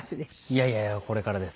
いやいやいやこれからです。